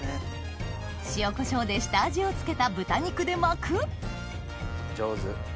塩こしょうで下味を付けた豚肉で巻く上手。